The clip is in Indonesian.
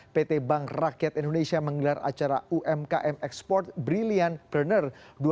pt bank rakyat indonesia menggelar acara umkm export brilliant planner dua ribu sembilan belas